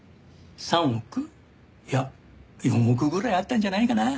３億いや４億ぐらいあったんじゃないかなあ。